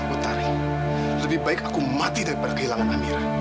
utari lebih baik aku mati daripada kehilangan ambira